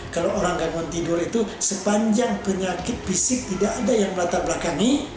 kalau orang gangguan tidur itu sepanjang penyakit fisik tidak ada yang melatar belakangi